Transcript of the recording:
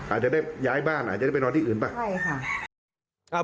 อาจจะได้ย้ายบ้านอาจจะได้ไปนอนที่อื่นป่ะใช่ค่ะ